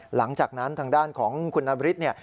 หลังจากนั้นทางด้านของคุณนบริสเนี่ย